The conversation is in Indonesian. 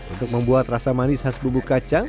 untuk membuat rasa manis khas bumbu kacang